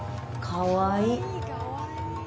かわいい。